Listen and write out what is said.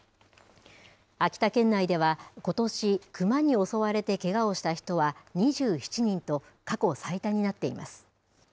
秋田県内ではことし、クマに襲われてけがをした人は２７人と過去最多になっています。